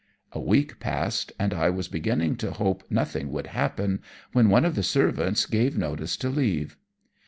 A week passed, and I was beginning to hope nothing would happen, when one of the servants gave notice to leave.